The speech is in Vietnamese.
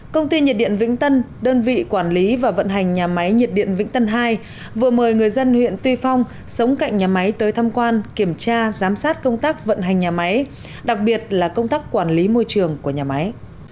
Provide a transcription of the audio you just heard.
công ty nhiệt điện vĩnh tân đơn vị quản lý và vận hành nhà máy nhiệt điện vĩnh tân hai vừa mời người dân huyện tuy phong sống cạnh nhà máy tới thăm quan kiểm tra giám sát công tác vận hành nhà máy đặc biệt là công tác quản lý môi trường của nhà máy